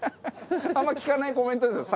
あんま聞かないコメントですよ。